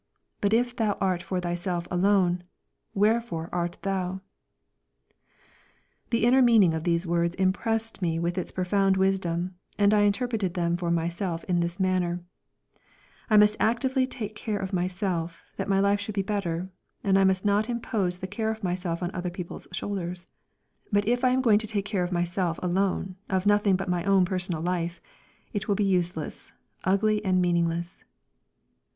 But if thou art for thyself alone wherefore art thou?" The inner meaning of these words impressed me with its profound wisdom, and I interpreted them for myself in this manner: I must actively take care of myself, that my life should be better, and I must not impose the care of myself on other people's shoulders; but if I am going to take care of myself alone, of nothing but my own personal life, it will be useless, ugly and meaningless.